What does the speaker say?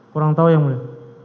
kurang tahu yang mulia